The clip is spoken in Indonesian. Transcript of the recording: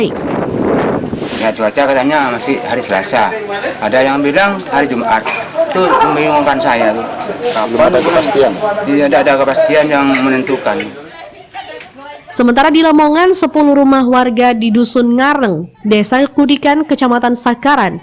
sementara di lamongan sepuluh rumah warga di dusun ngareng desa kudikan kecamatan sakaran